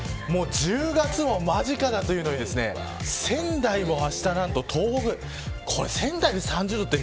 １０月も間近だというのに仙台もあした、何と３０度です。